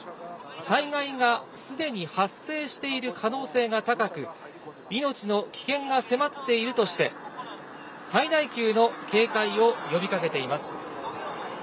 災害がすでに発生している可能性が高く、命の危険が迫っているとして、最大級の警戒を呼びかけています。